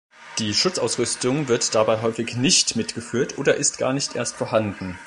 Die Schutzausrüstung wird dabei häufig nicht mitgeführt oder ist gar nicht erst vorhanden.